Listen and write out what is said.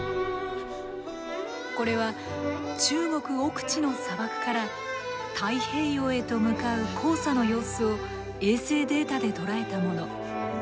これは中国奥地の砂漠から太平洋へと向かう黄砂の様子を衛星データで捉えたもの。